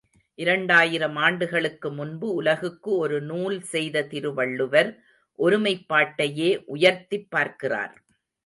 இரண்டாயிரம் ஆண்டுகளுக்கு முன்பு உலகுக்கு ஒரு நூல் செய்த திருவள்ளுவர் ஒருமைப் பாட்டையே உயர்த்திப் பார்க்கிறார்.